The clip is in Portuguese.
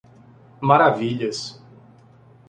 Maravilhas